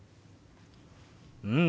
うん！